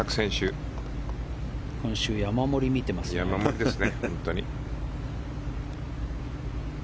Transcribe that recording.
今週山盛りで見てますね。